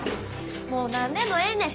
もう何でもええねん。